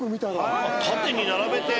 縦に並べて。